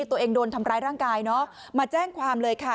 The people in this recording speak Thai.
ตัวเองโดนทำร้ายร่างกายเนอะมาแจ้งความเลยค่ะ